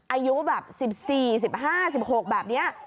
อายุแบบสิบสี่สิบห้าสิบหกแบบเนี้ย